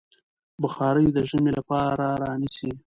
بخارۍ د ژمي لپاره رانيسئ.